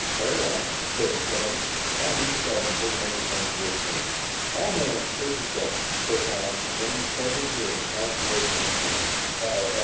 "Carry on," said Strong. Tom reached out and pulled a microphone toward him. "All hands! Station check!" said Tom, and then was startled to hear a metallic voice answer him.